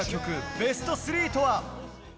ベスト３とは。